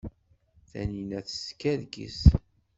Taninna teskerkis.